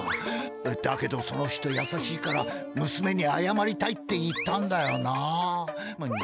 だけどその人やさしいからむすめにあやまりたいって言ったんだよなあむにゃ。